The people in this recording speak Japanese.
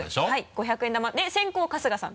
５００円玉で先攻春日さん。